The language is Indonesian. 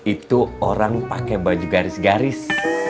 itu orang pakai baju garis garis